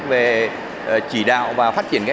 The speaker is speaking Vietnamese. về chỉ đạo và phát triển